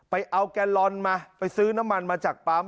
ไปเอาแกลลอนมาไปซื้อน้ำมันมาจากปั๊ม